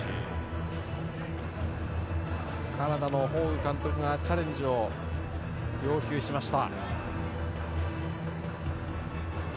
カナダのホーグ監督がチャレンジを要求しました。